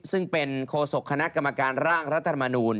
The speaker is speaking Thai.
ซึ่งเป็นโคศกคณะกรรมการร่างรัฐมนูล